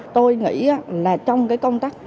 tôi nghĩ là trong cái công tác